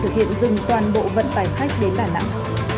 thực hiện dừng toàn bộ vận tải khách đến đà nẵng